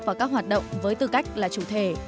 vào các hoạt động với tư cách là chủ thể